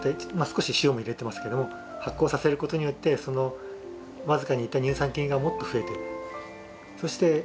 少し塩も入れてますけども発酵させることによって僅かにいた乳酸菌がもっと増えてる。